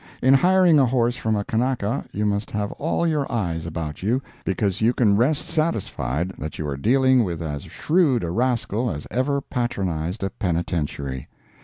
In hiring a horse from a Kanaka, you must have all your eyes about you, because you can rest satisfied that you are dealing with as shrewd a rascal as ever patronized a penitentiary.